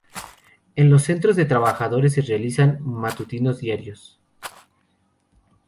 En los centros de trabajos se realizan matutinos diarios.